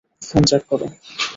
Phone check করো।